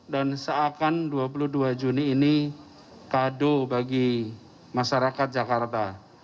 dan seakan dua puluh dua juni ini kado bagi masyarakat jakarta